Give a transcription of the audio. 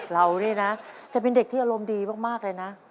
เรานี่นะจะเป็นเด็กที่อารมณ์ดีมากเลยนะ